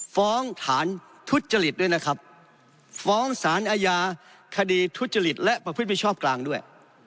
ฟ้องฐานทุจริตด้วยนะครับฟ้องสารอาญาคดีทุจริตและประพฤติมิชชอบกลางด้วย